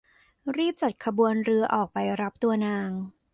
รีบจัดกระบวนเรือออกไปรับตัวนาง